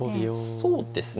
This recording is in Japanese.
そうですね。